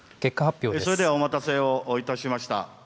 それではお待たせをいたしました。